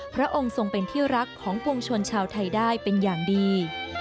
พระองค์ทรงเป็นที่รักของปวงชนชาวไทยได้เป็นอย่างดี